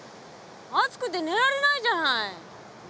暑くて寝られないじゃない！